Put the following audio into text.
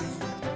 aku akan menang